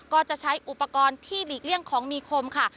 ก็จะใช้อุปกรณ์ที่หลีกเลี่ยงของมีคมค่ะ